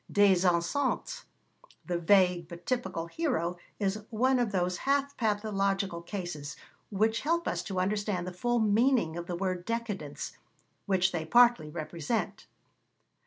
Des Esseintes, the vague but typical hero, is one of those half pathological cases which help us to understand the full meaning of the word décadence, which they partly represent.